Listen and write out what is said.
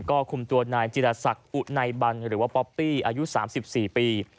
ก็คุมตัวนายจิรษักอุไนบันหรือว่าป๊อปปี้อายุ๓๔ปี